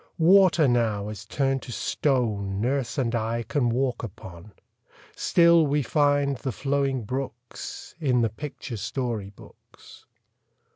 Water now is turned to stone Nurse and I can walk upon; Still we find the flowing brooks In the picture story books.